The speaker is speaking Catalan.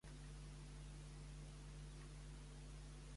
Enguany més de mil ciutadans britànics han sol·licitat el passaport espanyol.